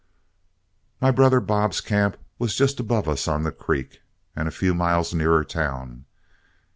My brother Bob's camp was just above us on the creek, and a few miles nearer town.